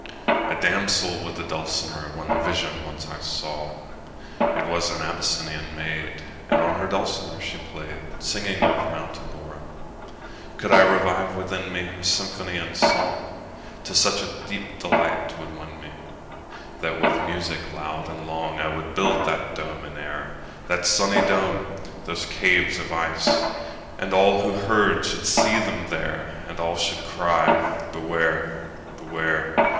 A damsel with a dulcimer In a vision once I saw: It was an Abyssinian maid, And on her dulcimer she play'd, 40 Singing of Mount Abora. Could I revive within me, Her symphony and song, To such a deep delight 'twould win me, That with music loud and long, 45 I would build that dome in air, That sunny dome! those caves of ice! And all who heard should see them there, And all should cry, Beware! Beware!